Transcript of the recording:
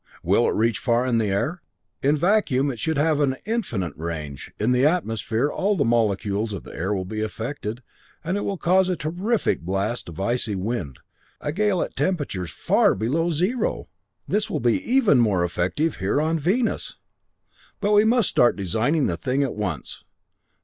Will it reach far in the air? In vacuum it should have an infinite range in the atmosphere all the molecules of the air will be affected, and it will cause a terrific blast of icy wind, a gale at temperatures far below zero! This will be even more effective here on Venus! "But we must start designing the thing at once!